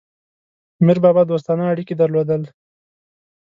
میربابا دوستانه اړیکي درلودل.